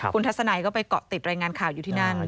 คุณทัศนัยก็ไปเกาะติดรายงานข่าวอยู่ที่นั่น